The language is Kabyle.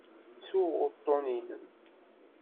Ttuɣ uṭṭun-inem.